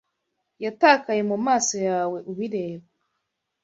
Yatakaye mu maso yawe ubireba